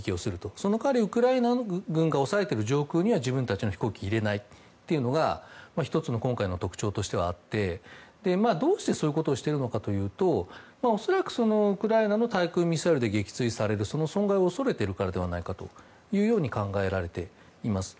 その代わり、ウクライナ軍が抑えている上空には自分たちの飛行機を入れないというのが１つの今回の特徴としてはあってどうしてそういうことをしているのかというと恐らく、ウクライナの対空ミサイルで撃墜されるその損害を恐れているからではないかと考えられています。